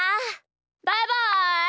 バイバイ！